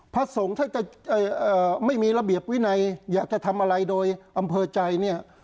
พระสงฆ์ถ้าจะไม่มีระเบียบวินัยอยากจะทำอะไรโดยอำเภอใจเนี่ย